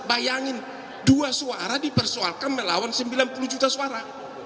bayangin dua suara dipersoalkan melawan sembilan puluh juta suara